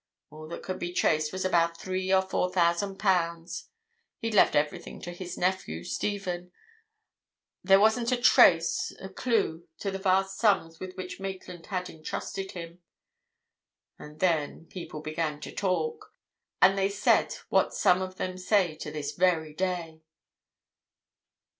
All that could be traced was about three or four thousand pounds. He'd left everything to his nephew, Stephen. There wasn't a trace, a clue to the vast sums with which Maitland had entrusted him. And then people began to talk, and they said what some of them say to this very day!"